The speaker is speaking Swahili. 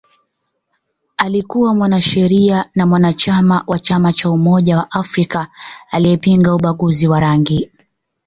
Alikuwa mwanasheria na mwanachama wa Chama cha umoja wa Afrika aliyepinga ubaguzi wa rangi